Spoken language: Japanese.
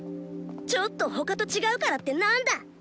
ちょっと他と違うからってなんだ！